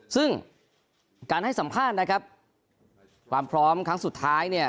ซึ่งการให้สัมภาษณ์นะครับความพร้อมครั้งสุดท้ายเนี่ย